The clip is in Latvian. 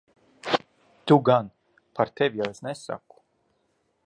Tu gan. Par tevi jau es nesaku.